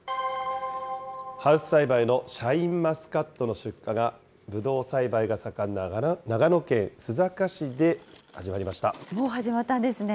ハウス栽培のシャインマスカットの出荷が、ぶどう栽培が盛んな長もう始まったんですね。